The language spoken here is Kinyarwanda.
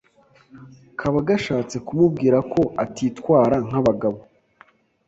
kaba gashatse kumubwira ko atitwara nk’abagabo.